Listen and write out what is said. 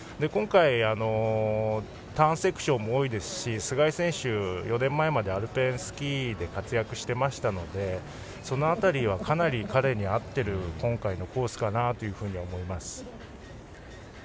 今回、ターンセクションも多いですし須貝選手、４年前までアルペンスキーで活躍してましたのでその辺りはかなり彼に合っている今回のコースかなと思います。